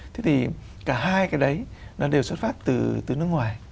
thế thì cả hai cái đấy nó đều xuất phát từ nước ngoài